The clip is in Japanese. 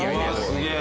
すげえ！